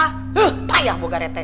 eh payah boga rete